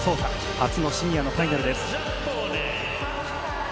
初のシニアのファイナルです。